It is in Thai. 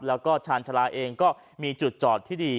แล้วก็ชาญชาลาเองก็มีจุดจอดที่ดี